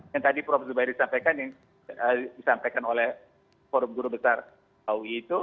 yang tadi prof zubair disampaikan yang disampaikan oleh forum guru besar baui itu